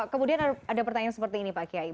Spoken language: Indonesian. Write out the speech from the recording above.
kemudian ada pertanyaan seperti ini pak kiai